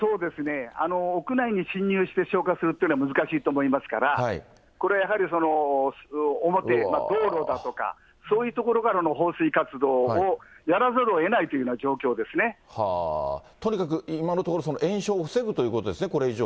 屋内に進入して消火するっていうのは難しいと思いますから、これ、やはり表、道路だとか、そういう所からの放水活動をやらざるをえないというような状況でとにかく今のところ、延焼を防ぐということですね、これ以上。